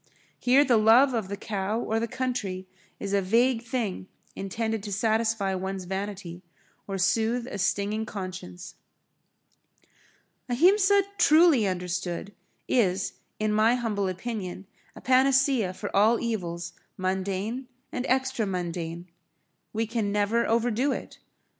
Here the love of the cow or the country is a vague thing intended to satisfy one's vanity, or soothe a stinging conscience. Ahimsa truly understood is in my humble opinion a panacea for all evils mundane and extra mundane. We can never overdo it.